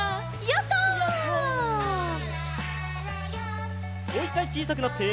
もう１かいちいさくなって。